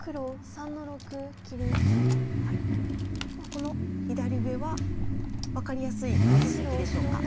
この左上は分かりやすい定石でしょうか。